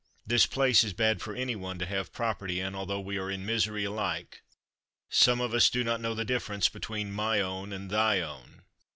This place is bad for anyone to have property in, although we are in misery alike. Some of us do not know the difference between my own and thy own.